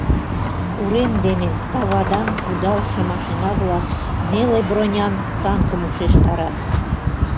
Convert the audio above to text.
Урем дене тавадаҥ кудалше машина-влак неле бронян танкым ушештарат.